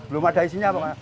belum ada isinya apa pak